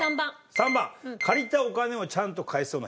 ３番「借りたお金をちゃんと返しそうな人」。